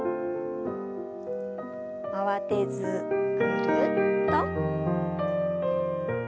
慌てずぐるっと。